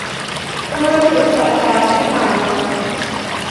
เมื่อสุดสัปดาห์ที่ผ่านมา